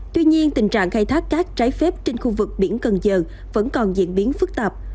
tuy nhiên tình trạng khai thác cát trái phép trên khu vực biển cần giờ vẫn còn diễn biến phức tạp